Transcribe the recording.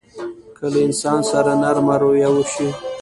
که له انسان سره نرمه رويه وشي.